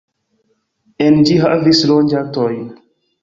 En ĝi havis loĝantojn.